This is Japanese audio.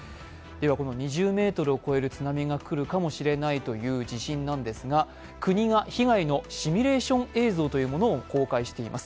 この２０ｍを超える津波が来るかもしれないという地震ですが国が被害のシミュレーション映像というものを公開しています。